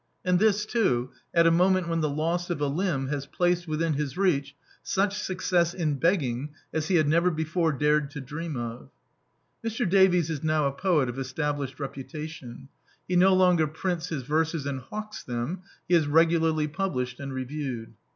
And this, too, at a moment when the loss of a limb has placed within his reach sudi success in begging as he had never before dared to dream of! Mr. Davies is now a poet of established reputation. He no longer prints his verses and hawks them : he is regularly published and reviewed.